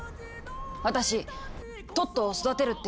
⁉私トットを育てるって決めた。